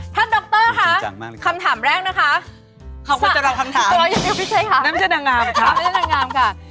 ถ้าดรค่ะคำถามแรกนะคะสั่งตัวอย่างนิยมพิษัยค่ะน้ำแจ้นางงามค่ะ